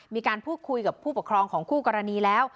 มีการพูดคุยกับผู้ปกครองของคู่กรณีแล้ว